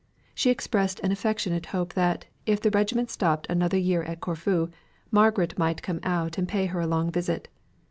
She expressed an affectionate hope that, if the regiment stopped another year at Corfu, Margaret might come out and pay her a long visit.